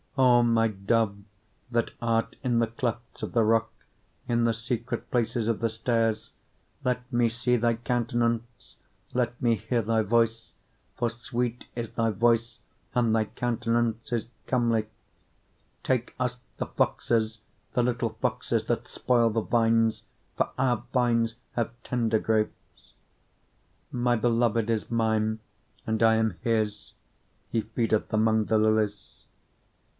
2:14 O my dove, that art in the clefts of the rock, in the secret places of the stairs, let me see thy countenance, let me hear thy voice; for sweet is thy voice, and thy countenance is comely. 2:15 Take us the foxes, the little foxes, that spoil the vines: for our vines have tender grapes. 2:16 My beloved is mine, and I am his: he feedeth among the lilies.